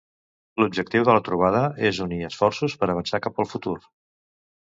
L'objectiu de la trobada és unir esforços per a avançar cap al futur.